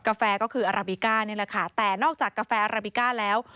แฟก็คืออาราบิก้านี่แหละค่ะแต่นอกจากกาแฟอาราบิก้าแล้ว